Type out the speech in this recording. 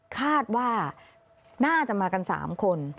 คาดว่าน่าจะมากัน๓คน